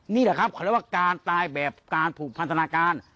นี่แหละครับเขาเรียกว่าการตายแบบการผูกพันธนาการ